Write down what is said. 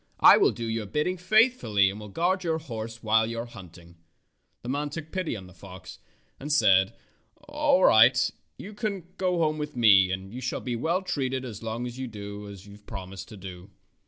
I will do your bidding faithfully and will guard your horse while you are hunting." The man took pity on the fox and said, ^'All right, you can go home with me, and you shall be well treated as long as you do as you have promised to do."